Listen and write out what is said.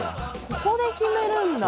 ここで決めるんだ。